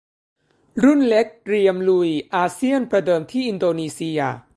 รุ่นเล็กเตรียมลุยอาเซียนประเดิมที่อินโดนีเซีย